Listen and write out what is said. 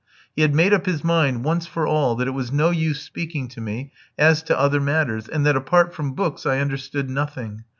He had made up his mind once for all that it was no use speaking to me as to other matters, and that, apart from books, I understood nothing.